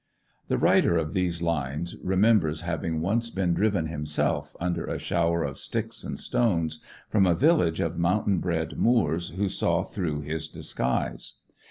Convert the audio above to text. The writer of these lines remembers having once been driven himself, under a shower of sticks and stones, from a village of mountain bred Moors who saw through his disguise.